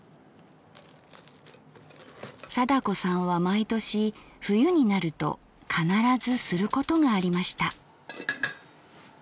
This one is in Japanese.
貞子さんは毎年冬になると必ずすることがありました。